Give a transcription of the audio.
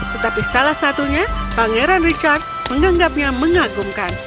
tetapi salah satunya pangeran richard menganggapnya mengagumkan